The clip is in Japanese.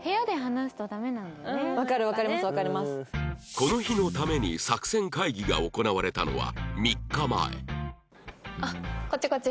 この日のために作戦会議が行われたのは３日前